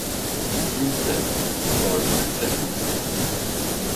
Gwynplaine avait cru être au bout.